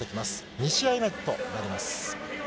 ２試合目となります。